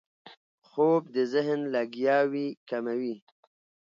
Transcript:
خوب د ذهن لګیاوي کموي